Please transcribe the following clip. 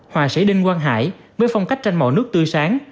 họa sĩ đinh quang hải với phong cách tranh màu nước tươi sáng